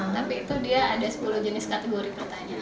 tapi itu dia ada sepuluh jenis kategori pertanyaan